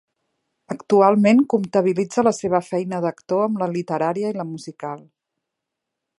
Actualment comptabilitza la seva feina d'actor amb la literària i la musical.